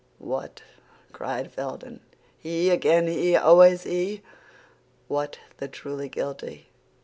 "What?" cried Felton, "he—again he—always he? What—the truly guilty?"